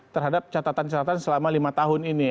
terhadap catatan catatan selama lima tahun ini